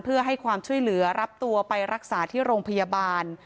เพื่อให้ความช่วยเหลือรับตัวไปรักษาที่โรงพยาบาล